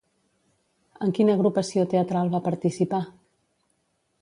En quina agrupació teatral va participar?